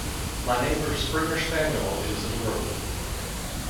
My neighbour’s springer spaniel is adorable